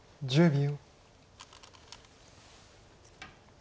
１０秒。